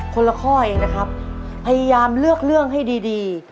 คนละข้อเองนะครับพยายามเลือกเรื่องให้ดีดี